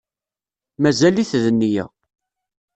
Mazal-it d-nniya